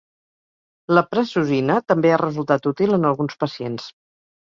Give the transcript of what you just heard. La prazosina també ha resultat útil en alguns pacients.